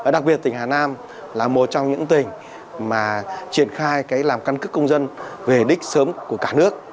đặc biệt tỉnh hà nam là một trong những tỉnh mà triển khai làm căn cước công dân về đích sớm của cả nước